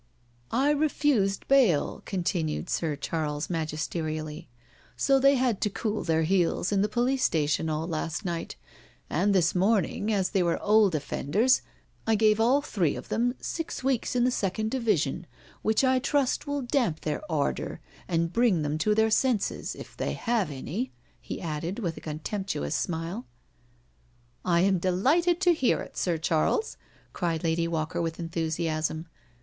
" I refused bail," continued Sir Charles magisterially, " so they had to cool their heels in the police station all last night, and this morning, as they were old offenders, I gave all three of them six weeks in the second division, which I trust will damp their ardour, and bring them to their senses, if they have any/' he added, with a contemptuous smile. " I am delighted to hear it. Sir Charles," cried Lady Walker with enthusiasm.